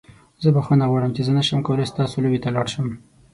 زه بخښنه غواړم چې زه نشم کولی ستاسو لوبې ته لاړ شم.